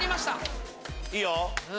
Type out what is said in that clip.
いいよ！